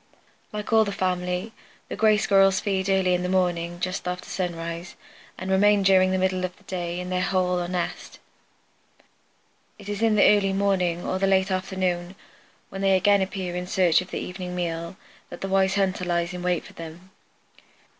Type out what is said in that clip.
Like all the family, the Gray Squirrels feed in the early morning just after sunrise and remain during the middle of the day in their hole or nest. It is in the early morning or the late afternoon, when they again appear in search of the evening meal, that the wise hunter lies in wait for them.